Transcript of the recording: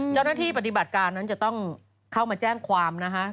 เจ้าหน้าที่ปฏิบัติการจะต้องเข้ามาแจ้งความนะฮะ